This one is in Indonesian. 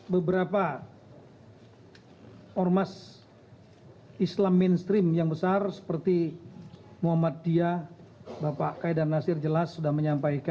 beberapa ormas islam mainstream yang besar seperti muhammadiyah bapak kaidar nasir jelas sudah menyampaikan